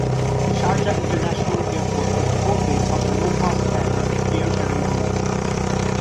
Sharjah International Airport is home base of the low-cost carrier Air Arabia.